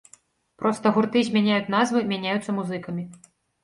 Проста гурты змяняюць назвы, мяняюцца музыкамі.